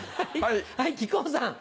はい木久扇さん。